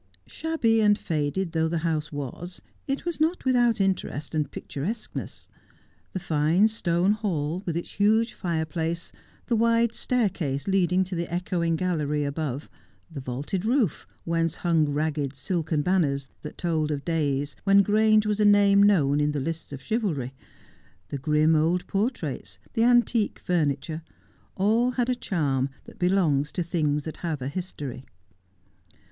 Shabby and faded though the house was, it was not without interest and picturesqueness. The fine stone hall, with its huge fireplace, the wide staircase leading to the echoing gallery above, the vaulted roof, whence hung ragged silken banners that told of days when Grange was a name known in the lists of chivalry ; the grim old portraits, the antique furniture, all had a charm that belongs to things that have a history.